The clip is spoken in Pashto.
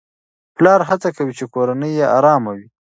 پلار هڅه کوي چې کورنۍ يې آرامه وي.